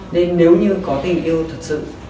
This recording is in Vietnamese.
nên nếu như có tình yêu thật sự